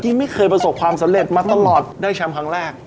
ไม่เคยประสบความสำเร็จมาตลอดได้แชมป์ครั้งแรก